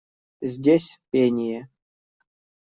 Здесь пение.